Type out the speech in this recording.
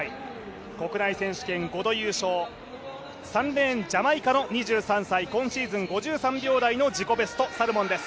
国内選手権５度優勝、３レーンジャマイカの２３歳、今シーズン５３秒台の自己ベスト、サルモンです。